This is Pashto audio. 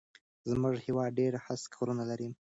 زموږ هيواد ډېر هسک غرونه لري